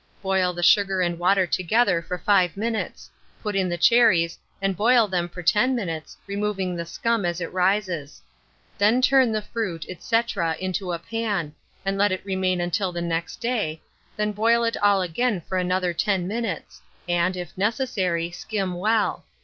Boil the sugar and water together for 5 minutes; put in the cherries, and boil them for 10 minutes, removing the scum as it rises. Then turn the fruit, &c. into a pan, and let it remain until the next day, when boil it all again for another 10 minutes, and, if necessary, skim well.